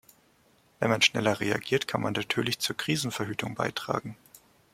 Wenn man schneller reagiert, kann man natürlich zur Krisenverhütung beitragen.